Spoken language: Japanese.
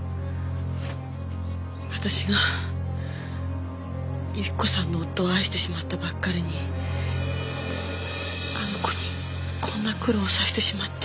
私が雪子さんの夫を愛してしまったばっかりにあの子にこんな苦労をさせてしまって。